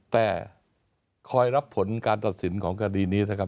แต่คอยรับผลการตัดสินของคดีนี้นะครับ